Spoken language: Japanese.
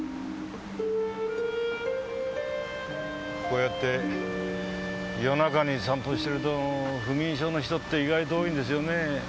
こうやって夜中に散歩してると不眠症の人って意外と多いんですよね。